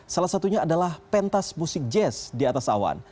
salah satunya adalah pentas musik jazz di atas awan